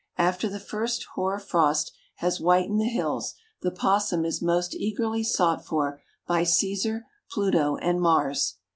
After the first hoar frost has whitened the hills the 'possum is most eagerly sought for by Cæsar, Pluto and Mars.